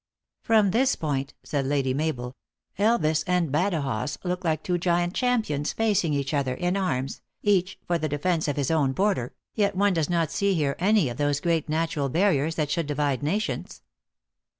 " From this point," said Lady Mabel, " Elvas and Badajoz look like two giant champions facing each other, in arms, each, for the defence of his own bor der, yet one does not see here any of those great na tural barriers that should divide nations."